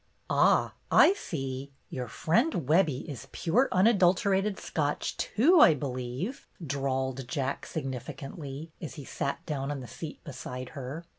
"Ah, I see! Your friend Webbie is pure unadulterated Scotch, too, I believe," drawled Jack, significantly, as he sat down on the seat beside her.